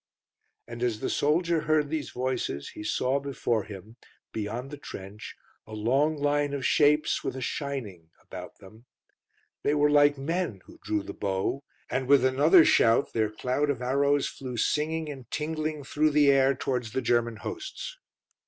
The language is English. And as the soldier heard these voices he saw before him, beyond the trench, a long line of shapes, with a shining about them. They were like men who drew the bow, and with another shout their cloud of arrows flew singing and tingling through the air towards the German hosts.